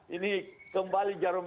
ini kembali jarum